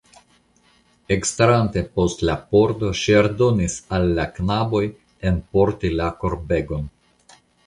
Ekstarante post la pordo ŝi ordonis al la knaboj enporti la korbegon.